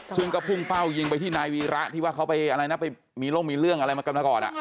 ซึ่งก็พุ่งเป้ายิงไปที่นายวีระที่ว่าเขาไปอะไรนะไปมีร่มมีเรื่องอะไรมากันมาก่อน